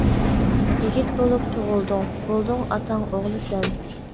يىگىت بولۇپ تۇغۇلدۇڭ، بولدۇڭ ئاتاڭ ئوغلىسەن.